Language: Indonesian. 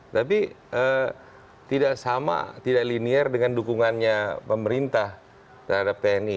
tapi tidak sama tidak linear dengan dukungannya pemerintah terhadap tni